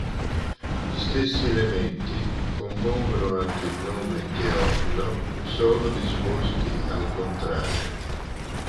Gli stessi elementi compongono anche il nome Teofilo, solo disposti al contrario.